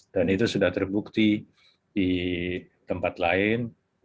dan itu sudah terbukti di tempat lain